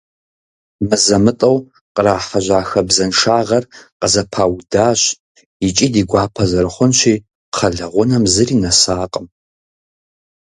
Мызэ-мытӀэу кърахьэжьа хабзэншагъэр къызэпаудащ, икӀи, ди гуапэ зэрыхъунщи, кхъэлъэгъунэм зыри нэсакъым.